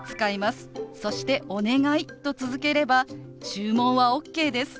そして「お願い」と続ければ注文はＯＫです。